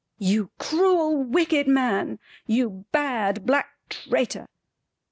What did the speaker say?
"You cruel wicked man! You bad black traitor!"